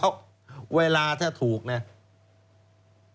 ว่าเวลาถ้าถูกเนี่ย